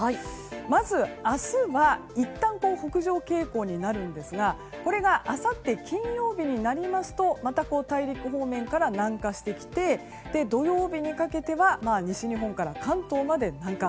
まず、明日はいったん北上傾向になるんですがこれがあさって金曜日になりますとまた大陸方面から南下してきて土曜日にかけては西日本から関東まで南下。